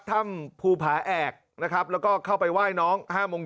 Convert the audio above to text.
ถ้ำภูผาแอกนะครับแล้วก็เข้าไปไหว้น้อง๕โมงเย็น